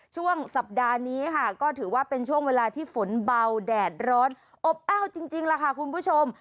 ช่วงสัปดาห์นี้ค่ะก็ถือว่าเป็นช่วงเวลาที่ฝนเบาแดดร้อนอบอ้าวจริงล่ะค่ะคุณผู้ชม